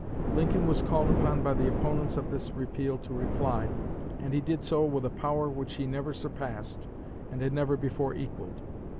Lincoln was called upon by the opponents of this repeal to reply, and he did so with a power which he never surpassed and had never before equalled.